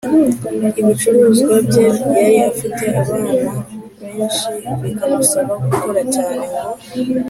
ibicuruzwa bye. Yari afite abana benshi bikamusaba gukora cyane ngo